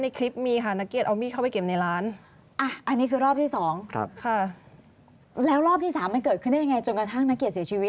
จนกระทั่งนักเกียจเสียชีวิตอย่างไร